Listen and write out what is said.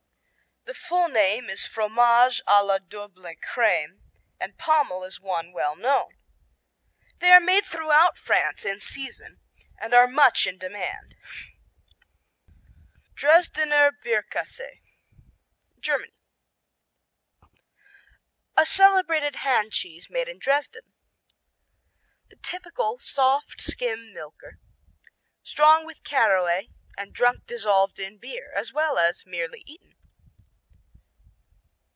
The full name is Fromage à la Double crème, and Pommel is one well known. They are made throughout France in season and are much in demand. Dresdener Bierkäse Germany A celebrated hand cheese made in Dresden. The typical soft, skim milker, strong with caraway and drunk dissolved in beer, as well as merely eaten.